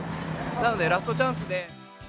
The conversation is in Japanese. なので、ラストチャンスで。